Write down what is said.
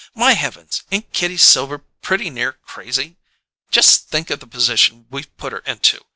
My Heavens! Ain't Kitty Silver pretty near crazy? Just think of the position we've put her into!